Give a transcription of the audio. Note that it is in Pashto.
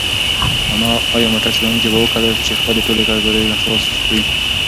ایا موټر چلونکی به وکولی شي چې خپلې ټولې قرضدارۍ نن خلاصې کړي؟